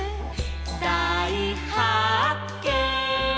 「だいはっけん！」